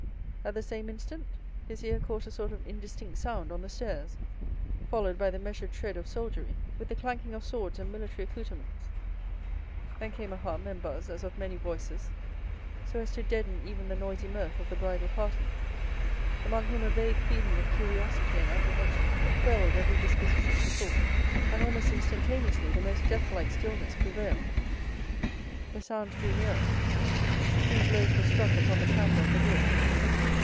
At the same instant his ear caught a sort of indistinct sound on the stairs, followed by the measured tread of soldiery, with the clanking of swords and military accoutrements; then came a hum and buzz as of many voices, so as to deaden even the noisy mirth of the bridal party, among whom a vague feeling of curiosity and apprehension quelled every disposition to talk, and almost instantaneously the most deathlike stillness prevailed. The sounds drew nearer. Three blows were struck upon the panel of the door.